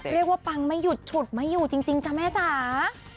เรียกว่าปังไม่หยุดฉุดไม่อยู่จริงจ้าแม่จ๋า